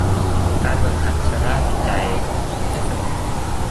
การฝึกหัดชำระจิตใจให้สงบ